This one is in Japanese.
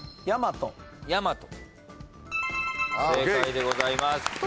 正解でございます。